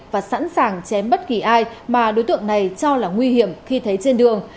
và sẵn sàng chém bất kỳ ai mà đối tượng này cho là nguy hiểm khi thấy trên đường